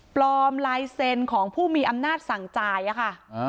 ปลอมลายเซ็นต์ของผู้มีอำนาจสั่งจ่ายค่ะ